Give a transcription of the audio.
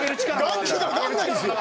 眼球が上がんないんですよ。